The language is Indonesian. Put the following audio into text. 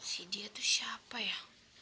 si dia itu siapa ya